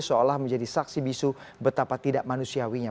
seolah menjadi saksi bisu betapa tidak manusiawinya